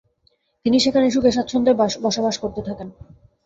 তিনি সেখানে সুখে স্বাচ্ছন্দ্যে বসবাস করতে থাকেন।